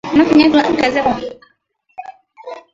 Matatizo ya kisheria ya Donald Trump yazidi kuongezeka